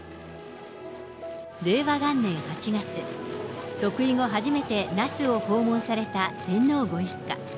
令和元年８月、即位後初めて、那須を訪問された天皇ご一家。